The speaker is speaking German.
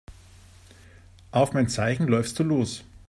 Auf mein Zeichen läufst du los.